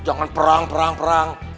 jangan perang perang perang